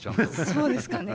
そうですかね？